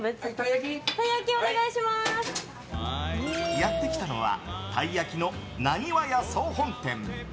やってきたのはたい焼きの浪花家総本店。